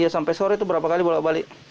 ya sampai sore itu berapa kali pulang balik